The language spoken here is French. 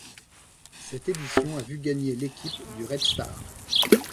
Cette édition a vu gagner l'équipe du Red Star.